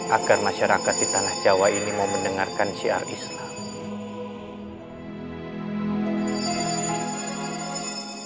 agar masyarakat di tanah jawa ini mau mendengarkan syiar islam